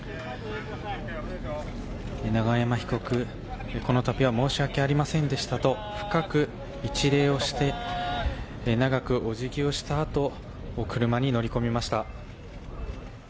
永山被告、このたびは申し訳ありませんでしたと深く一礼をして、長くおじぎをしたあと、車に乗り込みました。